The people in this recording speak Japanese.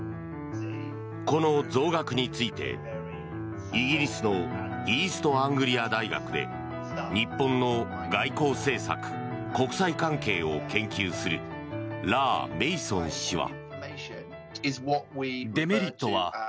この増額について、イギリスのイーストアングリア大学で日本の外交政策・国際関係を研究するラー・メイソン氏は。